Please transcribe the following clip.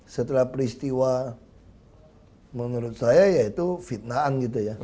setelah peristiwa menurut saya yaitu fitnaan gitu ya